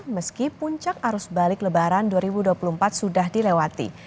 meski puncak arus balik lebaran dua ribu dua puluh empat sudah dilewati